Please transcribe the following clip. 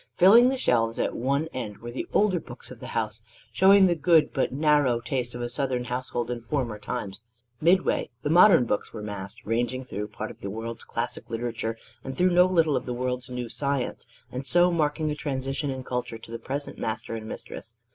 Filling the shelves at one end were the older books of the house, showing the good but narrow taste of a Southern household in former times. Midway, the modern books were massed, ranging through part of the world's classic literature and through no little of the world's new science; and so marking a transition in culture to the present master and mistress.